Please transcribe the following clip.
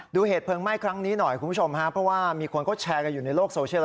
เหตุเพลิงไหม้ครั้งนี้หน่อยคุณผู้ชมฮะเพราะว่ามีคนเขาแชร์กันอยู่ในโลกโซเชียล